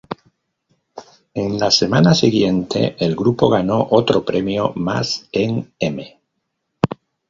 En la semana siguiente, el grupo ganó otro premio más en "M!